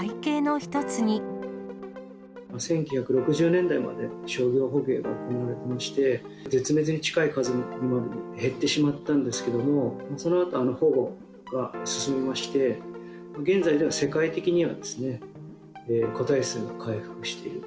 １９６０年代まで商業捕鯨が行われていまして、絶滅に近い数にまで減ってしまったんですけれども、そのあと保護が進みまして、現在では世界的には、個体数が回復していると。